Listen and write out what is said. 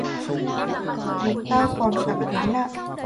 đến tao còn cảm thấy lạ